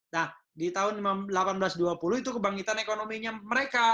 nah di tahun seribu delapan ratus dua puluh itu kebangkitan ekonominya mereka